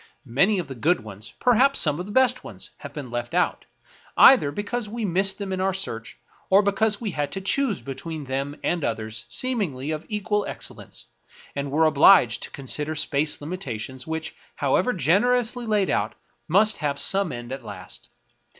Many of the good ones — perhaps some of the best ones — have been left out, either because we missed them in our search, or because we had to choose between them and others seemingly of equal excellence, and were obliged to consider space limitations which, how ever generously laid out, must have some end at last.